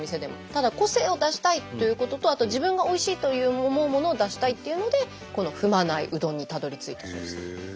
ただ個性を出したいということとあと自分がおいしいと思うものを出したいっていうのでこの踏まないうどんにたどりついたそうです。